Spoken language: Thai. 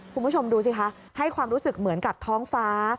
คุณผู้ชมดูสิคะให้ความรู้สึกเหมือนกับท้องฟ้า